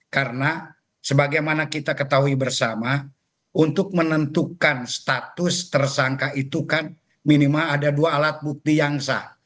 karena sebagaimana kita ketahui bersama untuk menentukan status tersangka itu kan minimal ada dua alat bukti yang sah